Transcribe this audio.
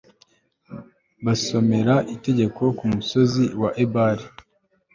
basomera itegeko ku musozi wa ebali